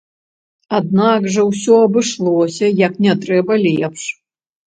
Аднак жа ўсё абышлося як не трэба лепш.